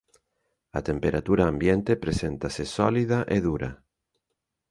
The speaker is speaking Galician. A temperatura ambiente preséntanse sólida e dura